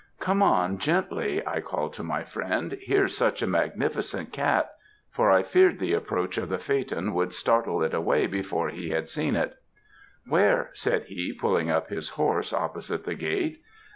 "'Come on, gently,' I called to my friend, 'here's such a magnificent cat!' for I feared the approach of the phaeton would startle it away before he had seen it. "'Where?' said he, pulling up his horse opposite the gate.